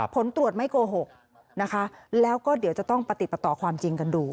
ผลตรวจไม่โกหกนะคะแล้วก็เดี๋ยวจะต้องปฏิปต่อความจริงกันดู